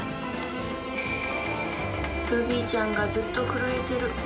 ルビーちゃんが震えてる。